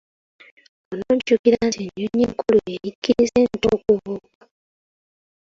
Onojjukira nti ennyonyi enkulu yeeyigiriza ento okubuuka?